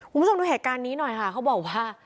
คุณผู้ชมดูเหตุการณ์นี้หน่อยค่ะเขาบอกว่า